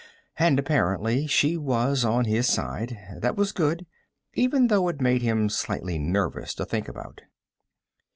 And, apparently, she was on his side. That was good, even though it made him slightly nervous to think about.